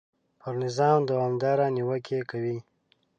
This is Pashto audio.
پر نظام دوامدارې نیوکې کوي.